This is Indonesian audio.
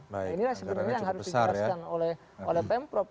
nah inilah sebenarnya yang harus dijelaskan oleh pemprov